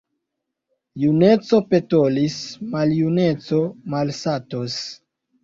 Juneco petolis, maljuneco malsatos.